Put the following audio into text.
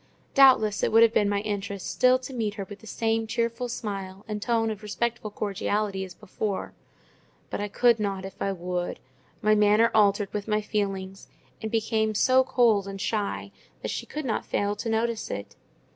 Doubtless it would have been my interest still to meet her with the same cheerful smile and tone of respectful cordiality as before; but I could not, if I would: my manner altered with my feelings, and became so cold and shy that she could not fail to notice it.